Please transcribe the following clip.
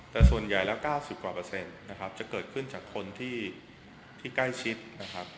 แต่ส่วนใหญ่แล้ว๙๐กว่าเปอร์เซ็นต์นะครับจะเกิดขึ้นจากคนที่ใกล้ชิดนะครับ